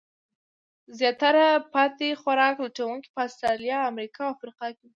زیاتره پاتې خوراک لټونکي په استرالیا، امریکا او افریقا کې وو.